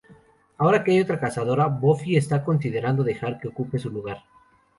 Ahora que hay otra Cazadora, Buffy está considerando dejar que ocupe su lugar.